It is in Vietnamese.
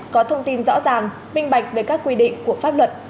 có thông tin rõ ràng minh bạch về các quy định của pháp luật